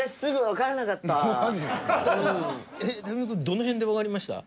どの辺でわかりました？